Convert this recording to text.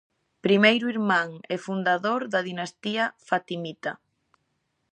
Primeiro imán e fundador da dinastía fatimita.